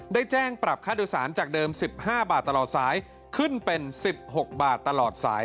ได้แจ้งปรับค่าโดยสารจากเดิม๑๕บาทตลอดสายขึ้นเป็น๑๖บาทตลอดสาย